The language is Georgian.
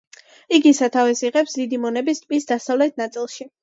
იგი სათავეს იღებს დიდი მონების ტბის დასავლეთ ნაწილში.